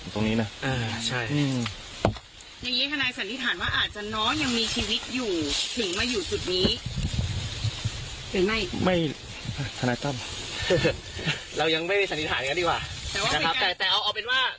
แต่ข้อการว่า